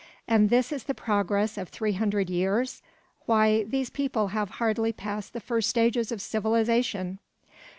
"And this is the progress of three hundred years! Why, these people have hardly passed the first stages of civilisation."